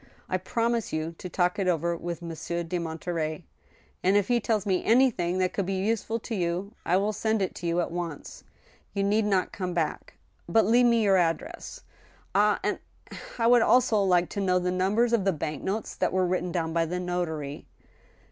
" I promise you to talk it over with Mon sieur de Monterey, and, if he tells me anything that could be useful to you, I will send it to you at once. ... You need not come back, ... but leave me your address. Ah !... and I would also like to know the numbers of the bank notes that were written down by the notary."